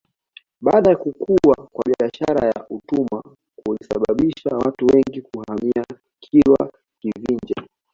Baada ya kukua kwa biashara ya utumwa kulisababisha watu wengi kuhamia Kilwa Kivinje